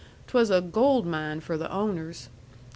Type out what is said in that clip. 'twas a gold mine for the owners.